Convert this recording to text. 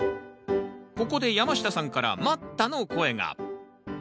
ここで山下さんから待ったの声が。